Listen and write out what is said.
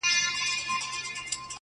د صوفي په نظر هر څه اصلیت وو-